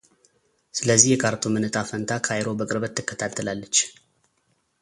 ስለዚህ የካርቱምን ዕጣ ፈንታ ካይሮ በቅርበት ትከታተላለች።